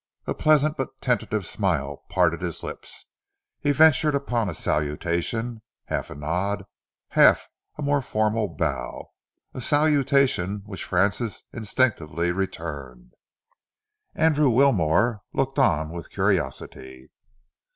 A pleasant but tentative smile parted his lips. He ventured upon a salutation, half a nod, half a more formal bow, a salutation which Francis instinctively returned. Andrew Wilmore looked on with curiosity.